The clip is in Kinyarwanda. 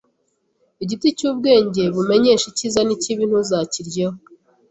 igiti cy’ubwenge bumenyesha icyiza n’ikibi ntuzakiryeho,